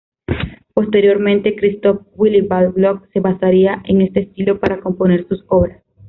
Posteriormente Christoph Willibald Gluck se basaría en este estilo para componer sus obras.